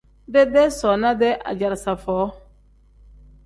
Deedee soona-dee ajalaaza foo.